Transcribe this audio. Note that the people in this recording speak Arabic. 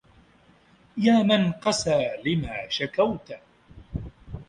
يا من قسا لما شكوت